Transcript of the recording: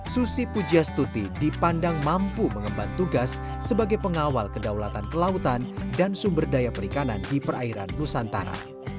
susi pujastuti dipandang mampu mengemban tugas sebagai pengawal kedaulatan kelautan dan sumber daya perikanan di perairan nusantara